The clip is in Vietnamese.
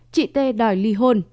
chị t đòi ly hôn